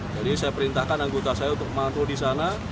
jadi saya perintahkan anggota saya untuk mantul di sana